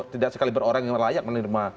tidak sekaliber orang yang layak menerima